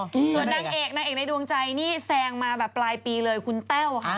ส่วนนางเอกนางเอกในดวงใจนี่แซงมาแบบปลายปีเลยคุณแต้วค่ะ